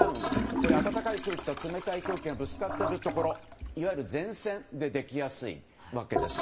これは暖かい空気と冷たい空気がぶつかるところいわゆる前線でできやすいわけです。